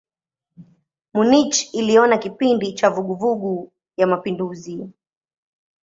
Munich iliona kipindi cha vuguvugu ya mapinduzi.